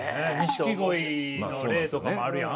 錦鯉の例とかもあるやん？